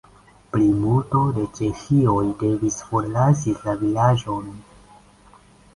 Plimulto de ĉeĥoj devis forlasi la vilaĝon.